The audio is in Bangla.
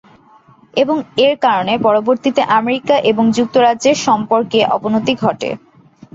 এবং এর কারণে পরবর্তিতে আমেরিকা এবং যুক্তরাজ্যের সম্পর্কে অবনতি ঘটে।